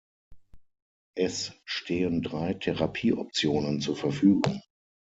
Es stehen drei Therapieoptionen zur Verfügung.